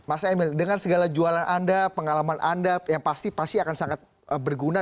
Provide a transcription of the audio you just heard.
mas emil dengan segala jualan anda pengalaman anda yang pasti pasti akan sangat berguna